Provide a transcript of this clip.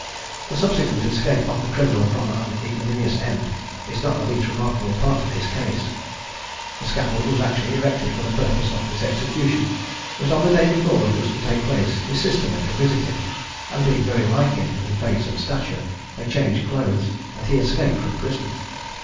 The subsequent escape of the criminal from an ignominious end is not the least remarkable part of his case. The scaffold was actually erected for the purpose of his execution; but on the day before it was to take place his sister went to visit him, and, being very like him in face and stature, they changed clothes, and he escaped from prison.